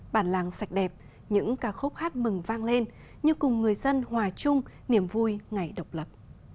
bản làng sạch đẹp những ca khúc hát mừng vang lên như cùng người dân hòa chung niềm vui ngày độc lập